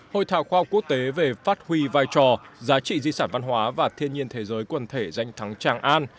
hội thảo khoa học quốc tế về phát huy vai trò giá trị di sản văn hóa và thiên nhiên thế giới quần thể danh thắng tràng an